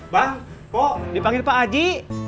pak dipanggil pak aji